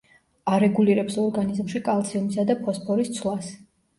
არეგულირებს ორგანიზმში კალციუმისა და ფოსფორის ცვლას.